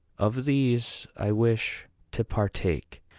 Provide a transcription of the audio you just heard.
Of these I wish to partake.